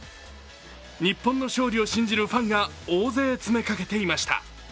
日本の勝利を信じるファンが大勢詰めかけていました。